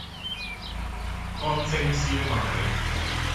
乾蒸燒賣